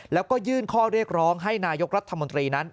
แล้วก็ยื่นข้อเรียกร้องให้นายกรัฐมนตรีนั้น